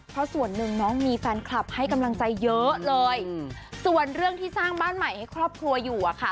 เพราะส่วนหนึ่งน้องมีแฟนคลับให้กำลังใจเยอะเลยส่วนเรื่องที่สร้างบ้านใหม่ให้ครอบครัวอยู่อะค่ะ